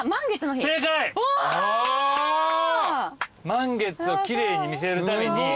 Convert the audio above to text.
満月を奇麗に見せるために。